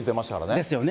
ですよね。